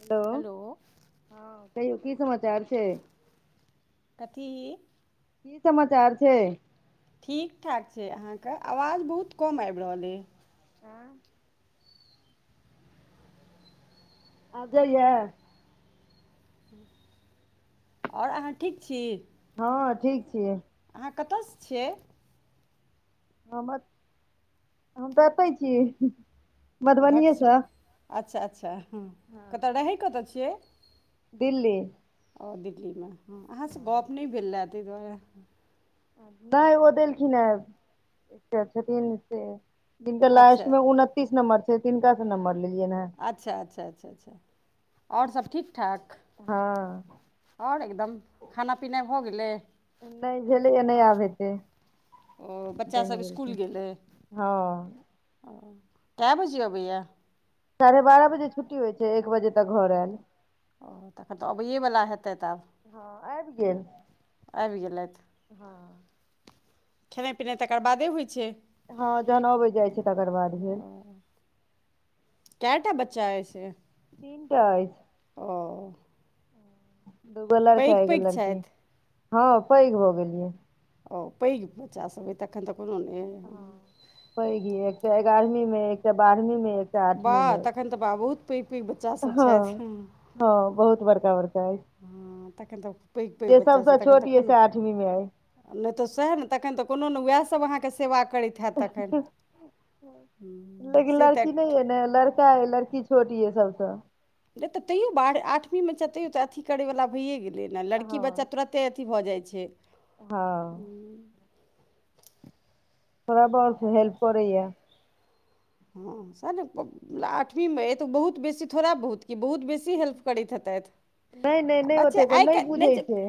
Hello! ह कहियौ की समाचार छैय। कथी की समाचार छैय। ठीक- ठाक छैय आहाँ के आवाज बहुत कम अैब रहल अैय। आँ [inaudible] आब जाय ये? और आहाँ ठीक छी? ह ठीक छिये। आहाँ कतऽ से छियै? हम हम तऽ एतै छी। [unintelligible] मधुबनीएसँ अच्छा -अच्छा ह हँ कतऽ रहैय कतऽ छियै? दिल्ली ओ दिल्ली मे हॅं, आहाँ से गप नै भेल रहेए तै दुआरे, नैय ओ देलखिन हें एकटा छथिन से, जिनका लास्ट अच्छा में उनतीस नम्बर छैय तिनका से नंबर लेलियैन हें। अच्छा -अच्छा -अच्छा- अच्छा और सब ठीक- ठाक, हॅं आओर एकदम खाना पीना भऽ गेलै। नहि भेलैए नहि आब हेतै। ओ बच्चा बनि सभ इस्कुल छै गेल अइ हँ ओ, कए बजे अबैये? साढ़े बारह बजे छुट्टी होइ छै एक बजे तक घर आयल। ओ तखन तऽ अबैए बला हेतैथ आब। हँ आबि गेल। आबि गेलथि। हँ, खेनाइ पिनाइ तकर बादे होइ छै। हँ जहन अबै जाइ छै तकर बाद भेल। कए टा बच्चा अइ से? तीन टा अइछ। ओ। दूगो पैघ लड़का एगो पैघ लड़की य छथि हँ पैघ भऽ गेल यऽ। ओ पैघ बच्चा सभ अइ तखन तऽ कोनो नहि हँ अइ। पैघ ये एकटा एगारहवीं मे अइ एकटा बारहवीं मे अइ, बा तखैन तऽ बाह बहुत पैघ पैघ बच्चा हँ सभ छथि। हँ बहुत बड़का बड़का अइ। हँ तखैन त जे सबसँ छोट येऽ से आठवीं में अइ। नहि तऽ सएह ने तखन तऽ कोनो ने उएह सभ अहाँके सेवा करैत हैत तखन हम्म, लेकिन से तऽ लड़की नहि अइ ने लड़की तैं लड़की छोट येऽ सबसँ। नहि तऽ तैयो ब आठवीं मे छैथ तैयो तऽ अथी करय बला भइए गेलै ने लड़की बच्चा हँ तुरत ते अथी भऽ जाइ छै। हँ। थोड़ा बहुत हेल्प करैये। हँ सेएह ने आठवीं मे अइ तऽ बहुत बेसी थोड़ा बहुत की बहुत बेसी हेल्प करैत नहि नहि हेतथि नहि बच्चा ओतेक आइ काल्हि बुझै नहि छै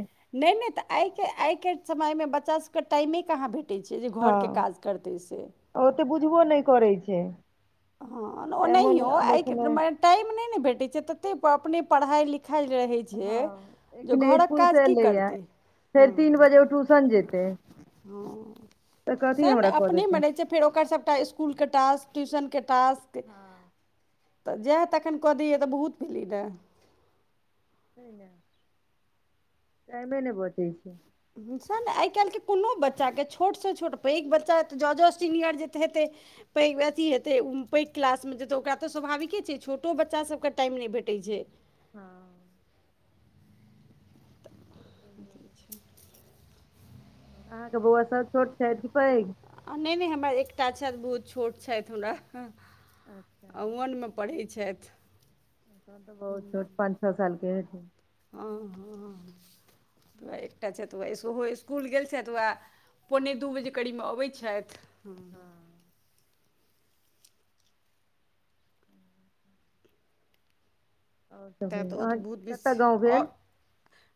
नहि तऽ आइ के आइ के समय मे बच्चा सब के टाइमे कहाँ भेट टै छै जे घरके काज करतै से। आ ओते बुझबो नहि करै छै। हँ तै मोन ओनहियो आब आइके एखने समय टाइम नहि ने भेटै छै तते अपने पढ़ाई लिखाई रहै छै। हँ जे एखने घरक इसकुल काज से की एलैया करतै। हँ फेर तीन बजे ओ ट्यूशन जेतै तऽ कथी सेएह हमरा ने कऽ अपने देतै मे रहै छै, फेर ओकर सभटा स्कुल के टास्क ट्यूशनके टास्क हँ तऽ जएह तखैन कऽ दैयेए तऽ बहुत भेलै ने। टाइमे नहि बचै छै। ट्युशन ने आइ काल्हिके कोनो बच्चाके छोटसँ छोट पैघ बच्चा तऽ जँ -जँ सीनियर जेत हेतै। पैघ अथि हेतै, ओ पैघ क्लासमे जेतै ओकरा तऽ स्वाभाविके छै, छोटो बच्चासबकेँ टाइम नहि भेटैत छै। हाँ अथी छै। अहाँके बौआ सब छोट छैथ कि पैघ। आ नहि-नहि हमरा एकटा छथि, बहुत छोट छथि हमरा। अच्छा आ वन मऽ पढ़ैत छथि। तहन तऽ बहुत छोट पाँच छ सालके हेथिन। हँ -हँ वैह एकटा छथि, वैह सेहो स्कुल गेल छथि। वैह पोने दू बजे करीबमे अबै छथि। हँ। आओर सब तैँ तऽ कहियौ, ओ तऽ अहाँ बहुत बेसी कतऽ गाँव औ भेल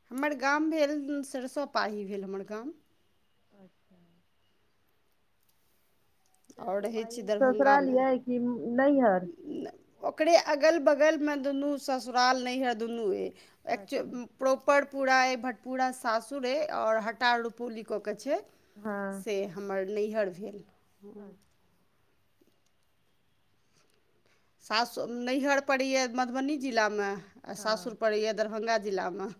हमर गाम भेल, सरसोपाही भेल हमर गाम। अच्छा। आओर रहै छी सरसोपाही ससुराल यै कि नैहर। नऽ ओकरे अगल बगलमे दुनू ससुराल, नैहर दुनू अय। हँ एक्चु प्रॉपर पूरा अइ भटपूरा सासुर अइ, आओर हटारुपौली कऽ कऽ छै हँ। से हमर नैहर भेल। हँ सासु नैहर पड़ैए मधुबनी जिला में, आ सासुर अच्छा पड़ैए दरभंगा जिला मऽ।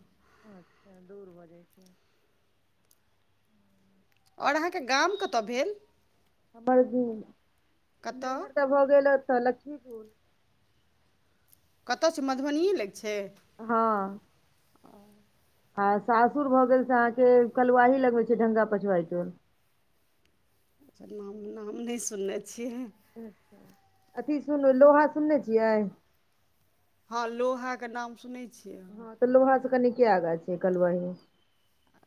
अच्छा दूर भऽ जाइ छै। अओर अहाँके गाम कतऽ भेल। हमर [unintelligible] कतय नैहर तऽ भऽ गेल ओतऽ लक्ष्मीपुुर। कतऽ छय मधुबनिए लैग छय। हँ। आ सासुर भऽ गेल से अहाँके कलुवाही लग में छै ढंगा पछुाइ टोल। अच्छा नाम-नाम नहि सुनने छियै। नहि, अथी सुनू लोहा सुनने छियै। हँ लोहा क नाम सुनै छियै। हँ तऽ लोहा से कनिके आगा छै कलवाही।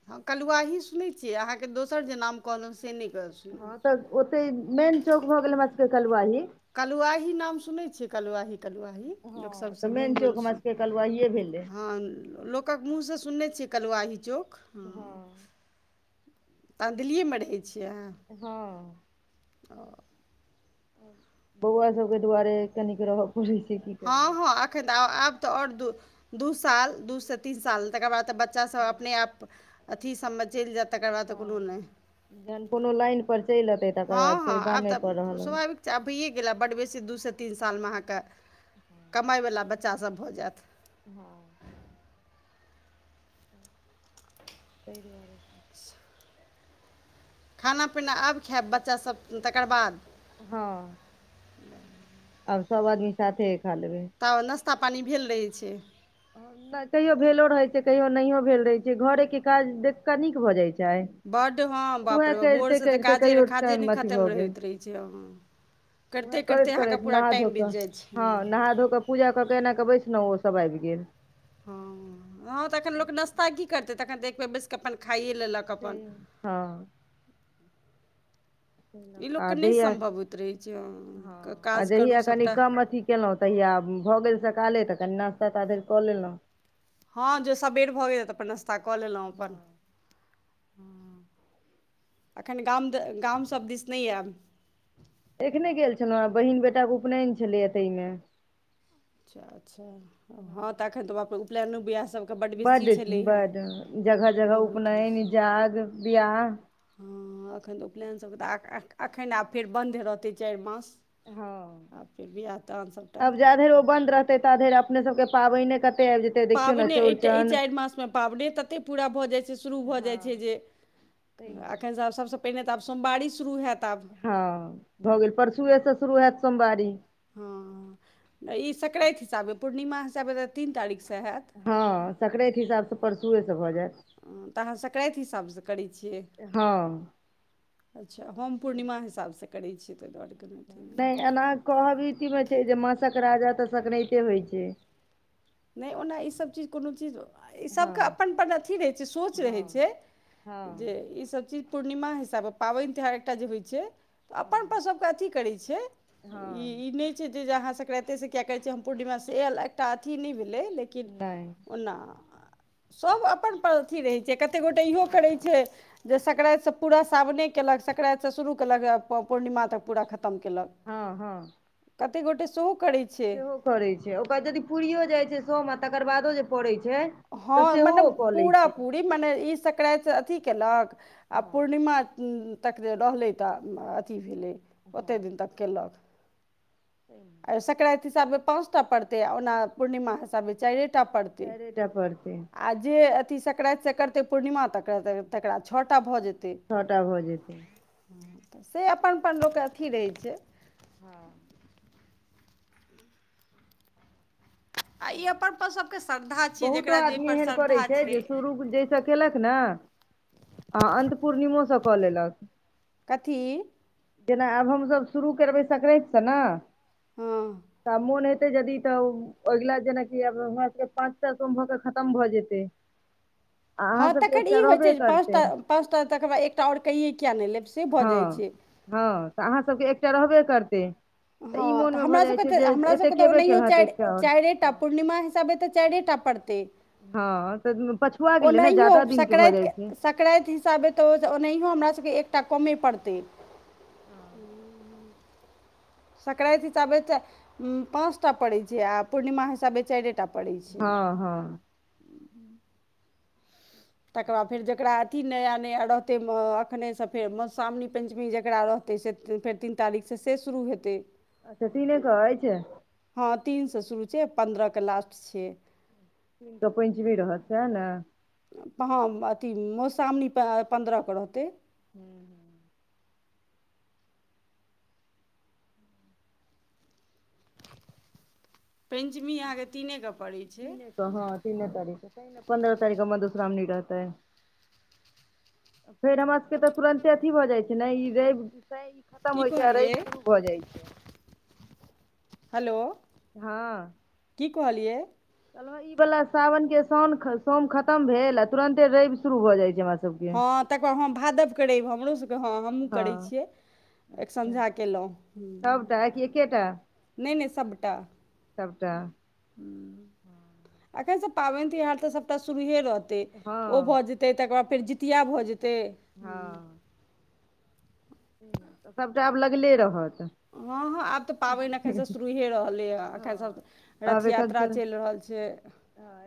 हँ कलुआही सुनै छियै, अहाँके दोसर जे नाम कहलऊ से नहि ग सु हँ तऽ ओतै, मेन चौक भऽ गेल हमरा सबके कलुवाही। कलुआही नाम सुनै छियै। कलुआही कलुवाही लोक सब हँ तऽ सँ मुंह मेन मं चौक हमरा सु, सबके कलुआहिए भेलै हँ लोक क्क मुँह सँ सुनने छियै, कलुवाही चौक हँ तऽदिल्लीये मे रहै छियै अहां। हँ। अँ बौआ सबके दुवारे कनिक रहऽ पड़ै छय कि हँ-हँ एखन तऽ आब-आब तऽ अओर दू -दू साल दू सँ तीन साल तकर बाद तऽ बच बच्चा सब हँ अपने आप अथी सबमे चलि जैत, तकर बाद तऽ कोनो हँ नहि। जहन कोनो लाइन पर चलि अतै। हँ -हँ आब तऽ स्वाभाविक चा अभी गेला बड बेसी दू से तीन सालमे अहाँके कमाय वला बच्चा सब भऽ जाएत। हां। सही कहलियै। खाना-पीना आब खाएब बच्चा सब तकर बाद। हां। आब सब आदमी साथे खा लेबै। तब नाश्ता पानी भेल रहै छै। नै कहियो भेलो रहे छै, कहियो नहियो भेल रहे छै, घरे के काज देख कऽ नीक भ जाय छै। चाय, बड्ड हँ बाप उहाए रे बाप भोरसँ तऽ कैरते-कैरते काजे कहियो काजे टाइम नहि अथी भऽ खतम गेल। होइत रहै छै हँ करिते उहाए करिते अहाँके करैत-करैत पूरा नहा धो टाइम बीत कऽ जाइ छै हां हँ नहा धो कऽ पूजा कऽ केऽ एना कऽ बैसलौ ओ सब आएब गेल। हां, हां तऽ एखन लोक नाश्ता की करतै तखन तऽ एक बेेर बैस कऽ अपन खाइये लेलक। अपन हां। ई आ लोकके नहि जहिया सम्भव होइत रहै छै हां हँ आ काज करू जहिया कनि सभटा कम अथी केलौं तहिया भऽ गेल सकाले तऽ कनि नास्ता ता धैर कऽ लेलौ। हां जे सबेर भऽ गेल तऽ अपन नाश्ता कऽ लेलौ अपन। अखैन गाम जे गाम सब दिस नै आएब। एखने गेल छलौ हय बहिन बेटा के उपनैन छलैया तै मे। अच्छा-अच्छा, हां तऽ एखन तऽ बाप रे उपलैनो बियाह सब बड, बड हां जगह-जगह बहुत उपनैन, जाग, ब्याह। हां, एखन तऽ उपलैन सबके तऽ आ ए एखन आब फेर बन्द रहतै चाएर मास। हां, आ फेर बियाह दान सभटा अब जा धैर ओ बन्द रह ते ता धैर अपने सबके पाबैने कते आएब जेतै। देखियौ ने पाबैने एट ई चौड़चन चाएर मासमे पाबैने ततेक पूरा भऽ जाय छै शुरू भऽ जाय हँ छै जे। तै का ने एखन से आब सबसे पहिने तऽ आब सोमवारी शुरू हाएत आब। हां, भऽ गेल परसुए से शुरू हाएत सोमवारी। हां, ई स्क्रैत हिसाबे पूर्णिमा हिसाबे तऽ तीन तारीक से हाएत। हां, स्क्रेत हिसाब से परसुए से भऽ जाएत। अ तऽ अहाँ स्क्रेत हिसाब से करै छियै। ए हां। अच्छा हम पूर्णिमा हिसाब से करै छियै तै दुआरे कहलौ तीन दिन। कहबीती मे छै जे मासक राजा तऽ स्क्रैते होय छै। नै ओना ई सब चीज कुनू चीज आ ई सबके हँ अपन-अपन अथी रहै छै सोच रहै हँ छै जे हँ ई सब चीज पूर्णिमा हिसाबा पाबैन तिहार एकटा जे होय छै तऽ अपन पर हँ सबके अथी करै छै हँ ई ई नै छी जे जे अहाँ सकरैते से किया करै छीये, हम पूर्णिमा से आएल एकटा अथी नै भेलै ले किन नहि ओना सब अपन पर अथी रहै छै, कते गोटा इहो करै छै। जे सक्रैत से पूरा सावने केलक सक्रैत से शुरू केलक अ पूर्णिमा तक पूरा खतम केलक। हां-हां। कते गोटा सोहो करै छै सेहो करै छै, ओकर जदि पूरियो जाय छै सोम आ तकर बादो जे पड़ै छै तऽ हां सेहो मने ओ कऽ लै पूरा छै पूरी मने ई सकरैत से अथी केलक आ हँ पूर्णिमा उम्म तक जे रहलै तऽ अथी भेलै ओते हँ दिन तक केलक। [unintelligible] अ-सकरांइत हिसाब स पाँचटा पडतय ओना पूर्णिमा हिसाबे चाइरेटा चाइरेटा पड़तय आ जे अथी सकरांइत सँ करतै पूर्णिमा त- तकरा छटा भ जेतय। छटा भऽ जेतै हुं तऽ से अपन -अपन लोकके अथी रहै छै। आ हँ- आ सही। ई अपन अपन सभके श्रद्धा छियै जकरा जयपर श्ररधा छै जयस केलक ने आ अंत पूर्णिमोसँ कऽ लेलक कथी? जेना आब हमसभ शुरू करबै सकरैंत स न हँ तऽब मोन हेत तय यदि तऽ अगिला जेनाकि आब हमरा सबके पाँचटा सोम भऽ के खतम भऽ जेतै आ अहाँ हँ, सबके तखन एकटा ई होइ रहबे छै पांसटा करतै पांसटा तकर बाद एकटा आओर कए किए नइ लेब से भऽ जाइ हँ छै -हँ- तऽ अहाँसबके एकटा रहबे करतै ई हँ, तऽ मोनमे भऽ जाइ हमरासभके छै तऽ जे एतेक हमरासभकेँ तऽ केबे ओनाहियो केलहँ तऽ एकटा आओर चाइर-चाइरेटा पूर्णिमा हिसाबे तऽ चाइरेटा परते हँ, [unintelligible] पछुआ गेलै ने जादा दिन के भऽ जाइ छै सकरैंत हिसाबे तऽ ओ -ओनाहियो हमरा सबके एकटा कमे पड़तय [inaudible] सकरैंत हिसाबे ट -उं-पाँऽस टा पड़ै छै आ पूर्णिमा हिसाबे चाइरेटा पड़ै छै। हँ हँ तकर बाद फेर जकरा तीन नया नया रहतै म-अखने सँ फेर मौश्रामनी पंचमी जेकरा रहतै से- त-फेर तीन तारीख सँ से शुरू हेतय। अच्छा तीने क अइछ? हँ तीन सँ शुरू छै पन्द्रह के लास्ट छे। तीन के पंचमी रहत सएह ने? हं -अथी-मौश्रावणी पं -पन्द्रहके रहतय। [inaudible] पेंचमी अहाँके तीने के पड़ैए तीने क हँ तीने तारिख के तांइ ने पन्द्रह तारिख के मधुश्रावणी रहतय। फेर हमरा सभके तऽ तुरन्ते अथी भऽ जाइत छै ने इ रइव तें ई खतम की होइ छै आ कहलियै रइव शुरू भऽ जाइ छै। हेलो- हँ- की कहलियै? कहलौं ई बला सावन के सोम- सोम खतम भेल आ तुरंते रइव शुरू भऽ जाइ छै हमरा सबके हँ तकर बाद हॅं भादव के रैब हमरो सबके हँ -हमहुँ करै हँ छियै एक संझा केलहुँ टा कि एकेटा? नइ- नइ सबटा सबटा एखैन से पाबैन तिहार तऽ सभटा शुरुहे रहतय ओ हँ भऽ जेत- तै - तकर बाद फेर जीतिया भऽ जेतै हँ सबटा आब लगले रहत। हँ हँ आब तऽ पाबैन एखन सँ शुरूए रहलैए एखन सब। हँ रथ यात्रा चैल रहल छै।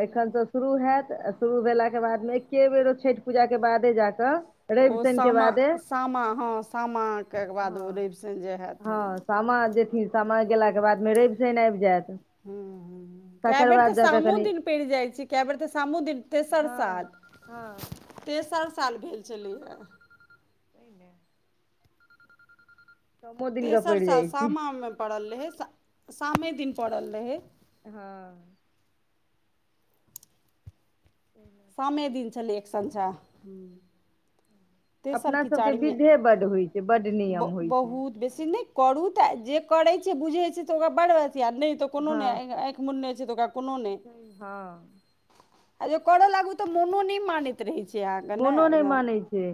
एखन सँ शुरू हेएत आ शुरू भेला के बाद मे एके बेर ओ छैठ पूजा के बादे जा कऽ। ओ सामा सामा हँ सामा। हँ हँ सामा जेथिन सामा गेला के बाद मे रैव- शैन आइब जेएत। हूँ हूँ। कए बेर तऽ सामो कनि दिन पैड़ जाइ छै कए बेर तऽ सामो दिन तेसर हँ साल। हँ तेसर साल भेल छेलै हेँ। ओयले। कमो दिनके तेसर पड़ि साल जाइ छै सामा मे पड़ल रहै सा सामे दिन पड़ल रहै। हँ। सामे दिन छेलै एकसंझा। तेसर अपना कि सबके चारीमे विधे बड्ड होइ छै बड्ड ब नियम होइ छै -बहुत बेसी नै। करू तऽ जे करै छै बुझै छै तऽ ओकरा बड़ अथी नै तऽ कोनो नै। नून नै छै तऽ ओकरा कोनो नै। छै हँ। आ जऽ कड़ लागू तऽ मोनो नै मानैत त रहै छै अहाँके ने मोनो नै एकदम मानै छै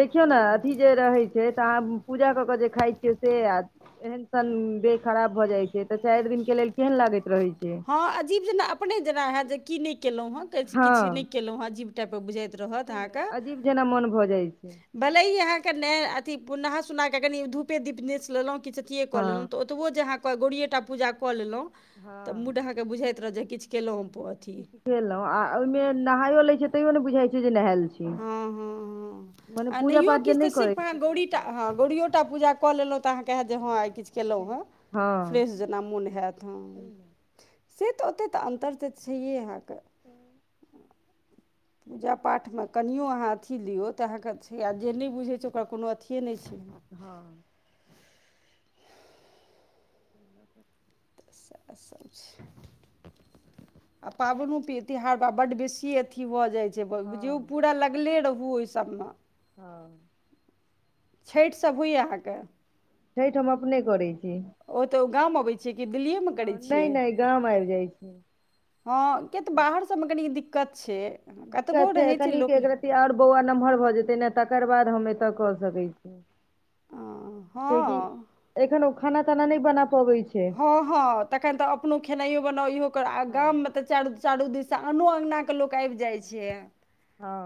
देखियौ ने अथी जे रहै छै तऽ आहाँ पूजा कऽ के जे खाइ छियै से आ एहन सन देह खराब भऽ जाय छै तऽ चैर दिन के लेल केहन लागैत रहै छै। हँ अजीव जेना अपने जेना हेएत जे की नै केलौ हेँ किछ नै हँ केलौ हँ अजीव टाइप कऽ बुझाइत रहत आहाँ के अजीब जेना मोन भऽ जाइ छै भले ही आहाँके न अथी नहा सुना क कनि धूपे दीप नेस लेलौ। किछ अथिए कऽ हँ लेलौ तऽ ओतबो जे अहाँ गौरीयेटा पूजा कऽ लेलौ। हँ तऽ मूड अहाँकेँ बुझाइत रहत जे किछ केलौ हम अपन सिखेलौ आ ओहिमे नहायो लै छियै तैयो नै बुझाइत छै जे नहायएल छी। हँ हँ हँ मने आ पूजा नहियो पाठ जे किछ तऽ नहि करै सिर्फ छै अहाँ से गौरी टा तऽ हँ गौरीयो। सबटा पूजा कऽ लेलौ तऽ आहाँ के हेएत जे हँआय किछ केलौ हेँ हँ फ्रेश जेना मोन हेएत हँ। सही ने। से तऽ ओते तऽ अन्तर तऽ छैहे अहाँ के हूँ। पूजा पाठमे कनियो अहाँ अथी लियौ तऽ अहाँकेँ छै आ जे नै बुझै छै ओकरा कोनो अथिए नै छै। हँ। तैय लऽ कऽ। तऽ सेह सब छै। आ पाबनो पि त्यहार बड बेसी अथी भऽ जाय बुझयो हँ पूरा लगले रहू ओय सबमे हँ। छैठ सब होय या आहाँके। छैठ हम अपने करै छी। ओतऽ गाम अबै छियै कि दिल्लिएमे करै हँ छियै। नहि नहि गाम आबि जाइ छी हँ किया तऽ अच्छा बाहर सबमे कनी दिक्कत छै। कतबो दिक्कत छै रहै कनि लोक आ, एकरत्ती ओर बौआ नम्हर भऽ जेतै ने तकर बाद हम एतऽ कऽ सकै छी। किआकि हँ एखन ओ खाना ताना नहि बना पबै छैय। हँ हँ तखन तऽ अपनो खेनाइयो बनाउ इहो कर आ हँ गाममे तऽ चारू-चारू दिससँ आनो अंगना के लोक आबि जाय छैय। हँ।